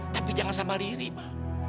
tapi jangan sama riri mah